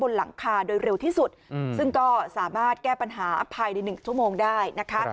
หลังคาโดยเร็วที่สุดซึ่งก็สามารถแก้ปัญหาภายใน๑ชั่วโมงได้นะคะ